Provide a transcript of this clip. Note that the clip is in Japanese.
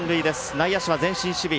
内野手は前進守備。